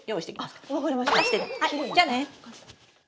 じゃあね！